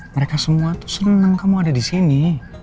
mereka semua tuh senang kamu ada di sini